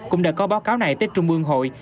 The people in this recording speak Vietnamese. cũng đã có báo cáo này tới trung ương hội